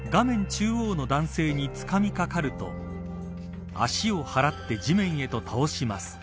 中央の男性につかみかかると足を払って地面へと倒します。